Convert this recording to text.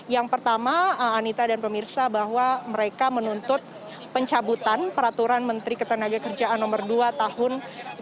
yang pertama anita dan pemirsa bahwa mereka menuntut pencabutan peraturan menteri ketenagakerjaan nomor dua tahun dua ribu dua